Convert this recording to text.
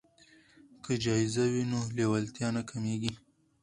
که جایزه وي نو لیوالتیا نه کمیږي.